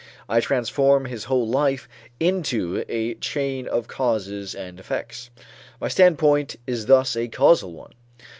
I transform his whole life into a chain of causes and effects. My standpoint is thus a causal one.